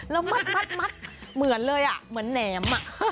แล้วมัดเหมือนเลยเหมือนแหนม